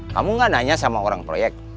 kamu gak nanya sama orang proyek